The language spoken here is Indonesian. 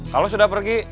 kalau sudah pergi